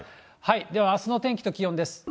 ではあすの天気と気温です。